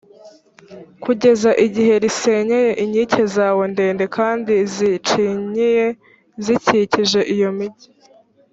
kugeza igihe risenyeye inkike zawe ndende kandi zicinyiye, zikikije iyo migi,